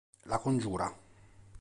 La congiura